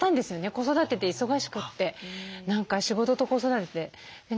子育てで忙しくて何か仕事と子育てで。